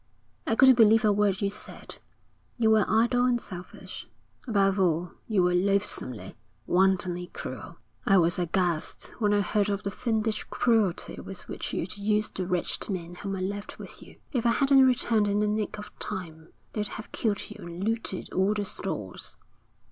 'I couldn't believe a word you said. You were idle and selfish. Above all you were loathsomely, wantonly cruel. I was aghast when I heard of the fiendish cruelty with which you'd used the wretched men whom I left with you. If I hadn't returned in the nick of time, they'd have killed you and looted all the stores.'